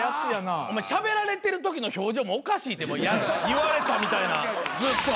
お前しゃべられてるときの表情もおかしいで「言われた」みたいなずっと。